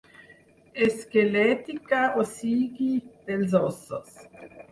Esquelètica, o sigui, dels ossos.